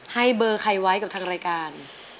ให้เบอร์ใครไว้กับทางรายการ